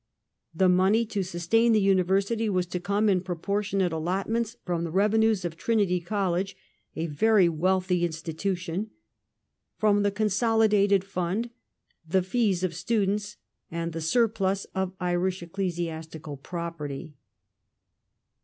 The money to sustain the university was to come in proportionate allotments from the revenues of Trinity College, a very wealthy institution ; from the consolidated fund, the fees of students, and the surplus of Irish ecclesiastical property.